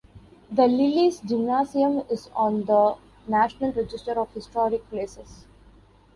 The Lillis Gymnasium is on the National Register of Historic Places.